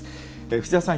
藤沢さん